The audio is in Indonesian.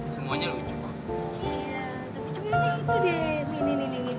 semuanya lucu kak